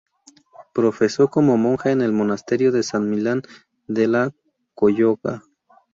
Profesó como monje en el monasterio de San Millán de la Cogolla.